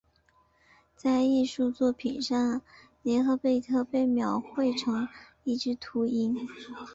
在艺术作品上涅赫贝特被描绘成一只秃鹰。